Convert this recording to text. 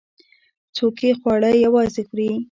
څوک چې خواړه یوازې خوري.